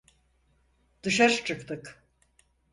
Dışarı çıktık.